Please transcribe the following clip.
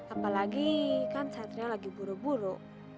apalagi kan satria lagi buru buru